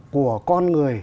của con người